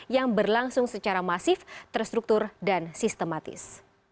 yang berlangsung secara masif terstruktur dan sistematis